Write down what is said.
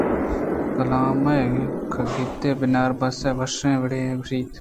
"کلام ءِ کاگدے"" بنار بس ءَ وشیں وڑے ءَ گوٛشت"